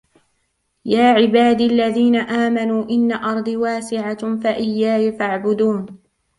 يا عبادي الذين آمنوا إن أرضي واسعة فإياي فاعبدون